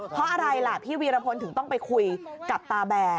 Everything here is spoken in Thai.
เพราะอะไรพี่วีรพนธ์หลีถึงต้องไปคุยกับตาแบ